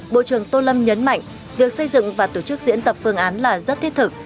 bộ trưởng tô lâm nhấn mạnh việc xây dựng và tổ chức diễn tập phương án là rất thiết thực